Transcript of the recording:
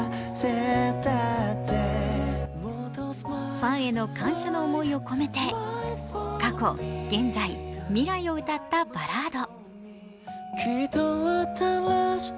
ファンへの感謝の思いを込めて過去、現在、未来を歌ったバラード。